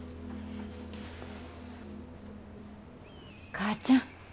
母ちゃん。